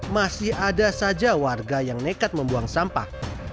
masih ada saja warga yang nekat membuang sampah